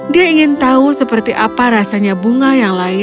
dia ingin tahu seperti apa rasanya bunga yang lain